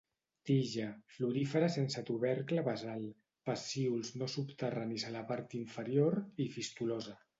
Tija: florífera sense tubercle basal, pecíols no subterranis a la part inferior, i fistulosa.